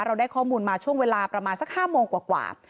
เราได้ข้อมูลมาช่วงเวลาประมาณสัก๕โมงกว่า